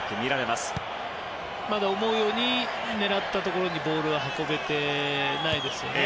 まだ思うように狙ったところにボールが運べてないですよね。